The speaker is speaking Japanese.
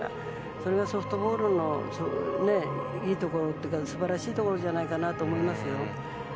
それがソフトボールのいいところというか素晴らしいところじゃないかと思いますよ。